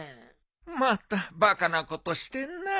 またバカなことしてんなあ。